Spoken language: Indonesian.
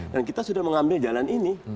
dan kita sudah mengambil jalan ini